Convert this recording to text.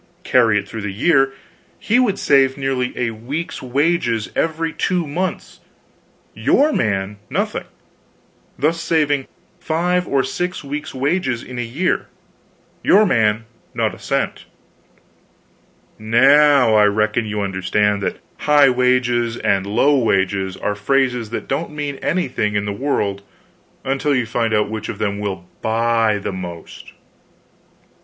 Carry it through the year; he would save nearly a week's wages every two months, your man nothing; thus saving five or six weeks' wages in a year, your man not a cent. Now I reckon you understand that 'high wages' and 'low wages' are phrases that don't mean anything in the world until you find out which of them will buy the most!"